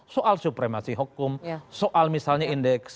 soal supremasi hukum soal misalnya indeks